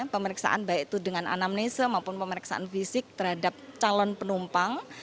pemeriksaan baik itu dengan anamnese maupun pemeriksaan fisik terhadap calon penumpang